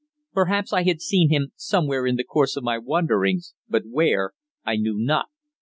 Perhaps I had seen him before somewhere in the course of my wanderings, but where, I knew not.